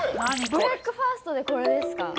ブレックファーストで、これですか？